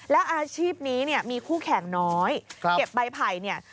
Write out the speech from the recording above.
แล้วอาชีพนี้เนี่ยมีคู่แข่งน้อยเก็บใบไผ่เนี่ย